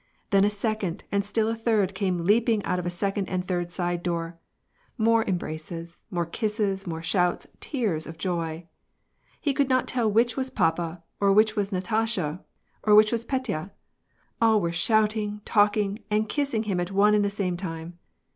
Then a second, and still a third came leap ing out of a second and third side door ; more embraces, more kisses, more shouts, tears of joy 1 He could not tell which vas papa, or which was Natasha, or which was Petya! All were shouting, talking, and kissing him at one and the same time.